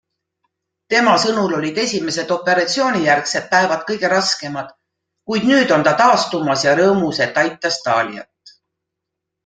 Tema sõnul olid esimesed operatsioonijärgsed päevad kõige raskemad, kuid nüüd on ta taastumas ja rõõmus, et aitas Taliat.